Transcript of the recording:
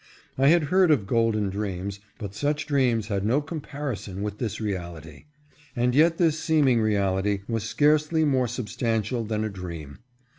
I had heard of golden dreams, but such dreams had no comparison with this reality. And yet this seeming reality was scarcely more substantial than a dream.